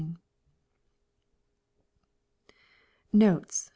Notes.